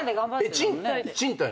賃貸なの？